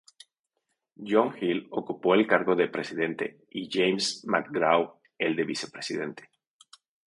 John Hill ocupó el cargo de presidente y James McGraw el de vicepresidente.